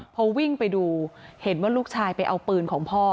พอวิ่งไปดูเห็นว่าลูกชายไปเอาปืนของพ่อ